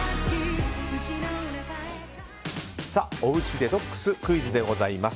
デトックスクイズでございます。